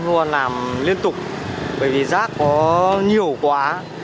luôn làm liên tục bởi vì rác có nhiều quá